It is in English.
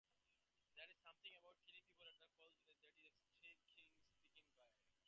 "There is something about killing people at close range that is excruciating," Spielberg said.